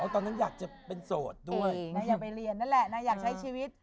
ตอนนั้นอยากจะเป็นโสดด้วยนางอยากไปเรียนนั่นแหละนางอยากใช้ชีวิต